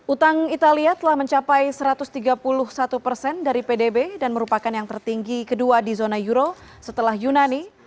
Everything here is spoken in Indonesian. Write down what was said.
utang italia telah mencapai satu ratus tiga puluh satu persen dari pdb dan merupakan yang tertinggi kedua di zona euro setelah yunani